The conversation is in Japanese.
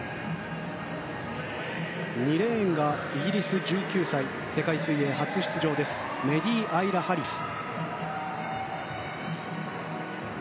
２レーンがイギリス、１９歳世界水泳初出場ですメディ・アイラ・ハリス。